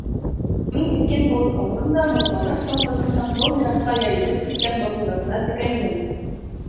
Мин иркен һулыш алдым һәм һоҡланып колхозымдың бик йыраҡҡа йәйелеп киткән баҫыуҙарына текәлдем.